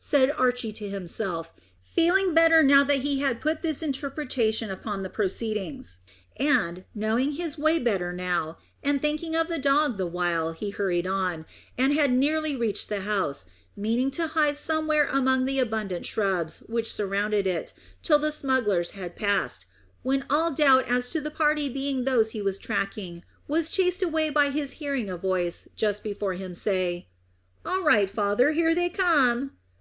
said Archy to himself, feeling better now that he had put this interpretation upon the proceedings; and, knowing his way better now, and thinking of the dog the while, he hurried on, and had nearly reached the house, meaning to hide somewhere among the abundant shrubs which surrounded it till the smugglers had passed, when all doubt as to the party being those he was tracking was chased away by his hearing a voice just before him say, "All right, father. Here they come."